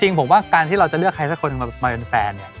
จริงผมว่าการที่เราจะเลือกใครสหรือคนมาเป็นแฟน